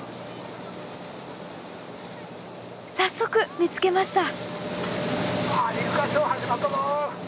早速見つけました。